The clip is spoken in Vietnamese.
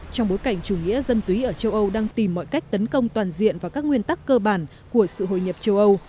trong bối cảnh chủ nghĩa dân túy ở châu âu đang tìm mọi cách tấn công toàn diện vào các nguyên tắc cơ bản của sự hồi nhập châu âu